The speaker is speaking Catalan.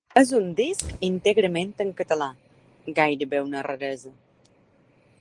És un disc íntegrament en català, gairebé una raresa.